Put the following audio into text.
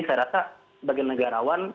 saya rasa sebagai negarawan